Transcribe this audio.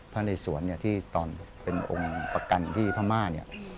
ในสวนเนี่ยที่ตอนเป็นองค์ประกันที่พม่าเนี่ย